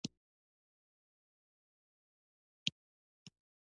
• ته زما د زړه غږ یې.